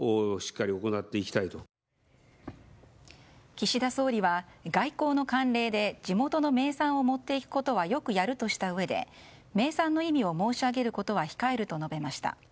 岸田総理は外交の慣例で地元の名産を持っていくことはよくやるとしたうえで名産の意味を申し上げることは控えると述べました。